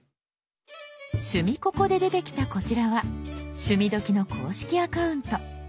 「趣味ココ」で出てきたこちらは「趣味どきっ！」の公式アカウント。